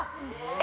え！